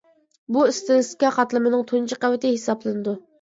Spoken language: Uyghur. بۇ ئىستىلىستىكا قاتلىمىنىڭ تۇنجى قەۋىتى ھېسابلىنىدۇ.